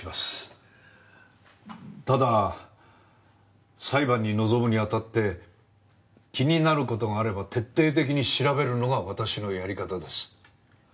ただ裁判に臨むにあたって気になる事があれば徹底的に調べるのが私のやり方です。